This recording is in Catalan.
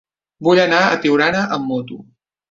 Vull anar a Tiurana amb moto.